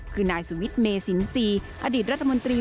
คือนายสวิทย์เมศิลป์อดีตรัฐมนตรี